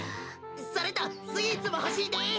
それとスイーツもほしいです。